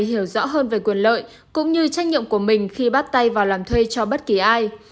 hiểu rõ hơn về quyền lợi cũng như trách nhiệm của mình khi bắt tay vào làm thuê cho bất kỳ ai